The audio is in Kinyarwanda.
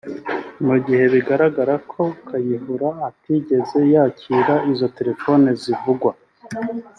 mu gihe bigaragara ko Kayihura atigeze yakira izo telefoni zivugwa